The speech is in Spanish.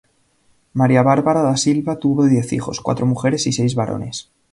Maria Bárbara da Silva tuvo diez hijos, cuatro mujeres y seis varones.